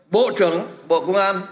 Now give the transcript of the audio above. bộ trưởng bộ công an